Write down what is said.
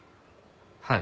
はい。